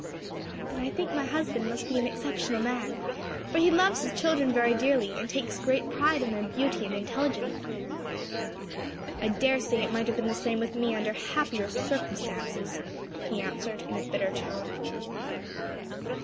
"Then I think my husband must be an exceptional man, for he loves his children very dearly, and takes great pride in their beauty and intelligence." "I daresay; it might have been the same with me under happier circumstances," he answered in a bitter tone.